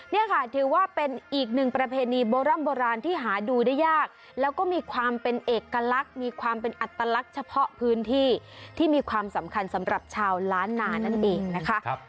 นี่ค่ะถือว่าเป็นอีกหนึ่งประเพณีโบร่ำโบราณที่หาดูได้ยากแล้วก็มีความเป็นเอกลักษณ์มีความเป็นอัตลักษณ์เฉพาะพื้นที่ที่มีความสำคัญสำหรับชาวล้านนานั่นเองนะคะ